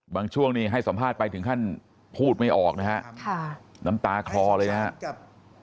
บางช่วงนี้ให้สัมภาษณ์ไปถึงขั้นพูดไม่ออกนะครับ